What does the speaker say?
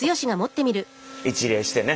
一礼してね。